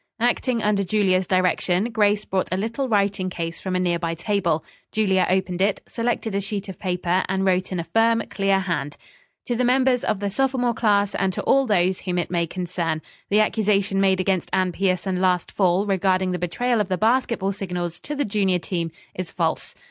Acting under Julia's direction, Grace brought a little writing case from a nearby table, Julia opened it, selected a sheet of paper and wrote in a firm, clear hand: "To the members of the sophomore class, and to all those whom it may concern: "The accusation made against Anne Pierson last fall regarding the betrayal of the basketball signals to the junior team is false.